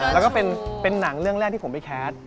แล้วก็เป็นหนังเรื่องแรกที่ผมไปแคส